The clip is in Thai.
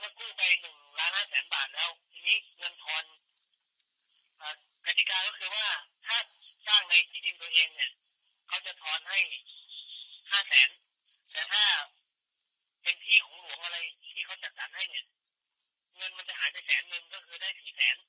ถ้ากู้ไปหนึ่งล้านห้าแสนบาทแล้วทีนี้เงินทอนกติกาก็คือว่าถ้าจ้างในที่ดินตัวเองเนี่ยเขาจะทอนให้ห้าแสนแต่ถ้าเป็นที่ของหลวงอะไรที่เขาจัดสรรให้เนี่ยเงินมันจะหายไปแสนนึงก็คือได้สี่แสน